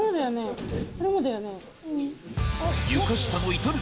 これもだよね？